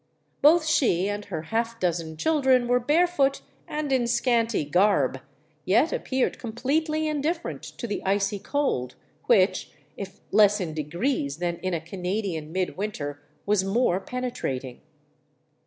Both she and her half dozen children were barefoot and in scanty garb, yet appeared completely indifferent to the icy cold which, if less in degrees than in a Canadian mid winter, was more penetrating.